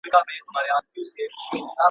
شرنګاشرنګ به د رباب او د پایل وي `